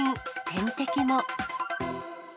天敵も。